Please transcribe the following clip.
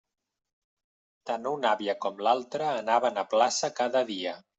Tant una àvia com l'altra anaven a plaça cada dia.